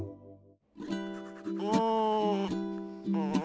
うん。